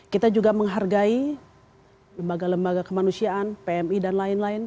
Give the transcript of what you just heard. kita juga menghargai lembaga lembaga kemanusiaan pmi dan lain lain